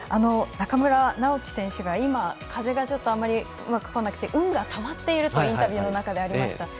中村直幹選手が今風があまりこなくて運がたまっているとインタビューの中でもありました